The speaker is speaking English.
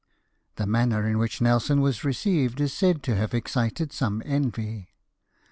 The manner in which Nelson was received is said to have excited some envy.